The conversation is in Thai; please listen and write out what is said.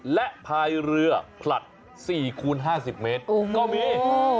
และพายเรือผลัด๔คูณ๕๐เมตรก็มี